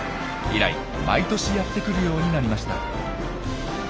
以来毎年やって来るようになりました。